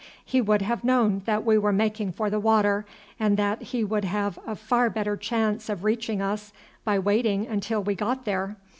He would have known that we were making for the water, and that he would have a far better chance of reaching us by waiting until we got there.